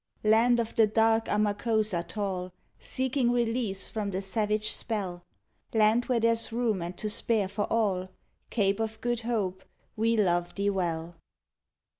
Land of the dark Amakosa tall, Seeking release from the savage spell; Land where there's room and to spare for all, Cape of Good Hope, we love thee well.